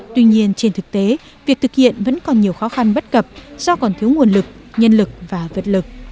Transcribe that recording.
tuy nhiên trên thực tế việc thực hiện vẫn còn nhiều khó khăn bất cập do còn thiếu nguồn lực nhân lực và vật lực